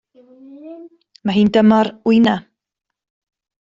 Mae hi'n dymor wyna.